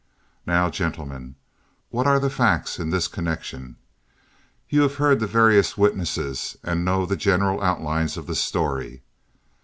Now, gentlemen, what are the facts in this connection? You have heard the various witnesses and know the general outlines of the story.